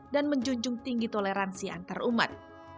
dan menjunjung tinggi toleransi antarumat